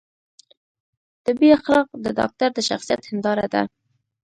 طبي اخلاق د ډاکتر د شخصیت هنداره ده.